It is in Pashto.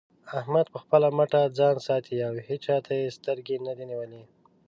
احمد په خپله مټه ځان ساتي او هيچا ته يې سترګې نه دې نيولې.